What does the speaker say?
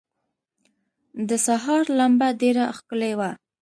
د سهار لمبه ډېره ښکلي وه.